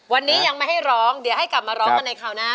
วันนี้ยังไม่ให้ร้องเดี๋ยวให้กลับมาร้องกันในคราวหน้า